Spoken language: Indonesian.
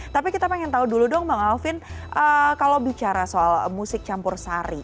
tapi kita pengen tahu dulu dong bang alvin kalau bicara soal musik campur sari